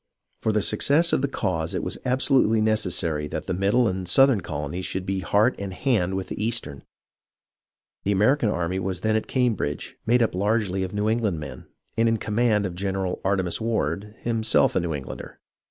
For the suc cess of the cause it was absolutely necessary that the middle and southern colonies should be heart and hand with the eastern. The American army was then at Cam bridge, made up largely of New England men, and in command of General Artemas Ward, himself a New Englander.